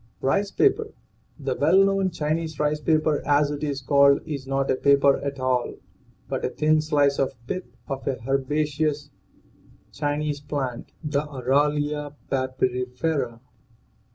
RICE PAPER. The well known Chinese rice paper, as it is called, is not a paper at all but a thin slice of the pith of a herbaceous Chinese plant (the Aralia papyrifera).